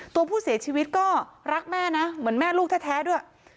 ตัวผู้เสียชีวิตก็รักแม่นะเหมือนแม่ลูกแท้ด้วย